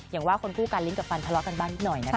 อย่างว่าคนคู่กันลิ้นกับฟันทะเลาะกันบ้างนิดหน่อยนะคะ